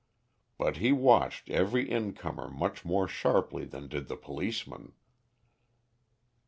But he watched every incomer much more sharply than did the policeman.